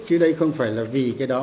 chứ đây không phải là vì cái đó